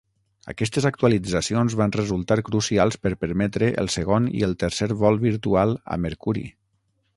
Aquestes actualitzacions van resultar crucials per permetre el segon i el tercer vol virtual a Mercuri.